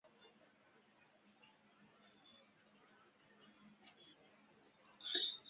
塔形碑柱下方四周以紫铜嵌刻墓志铭和挽词四块。